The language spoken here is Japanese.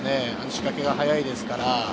仕掛けが早いですから。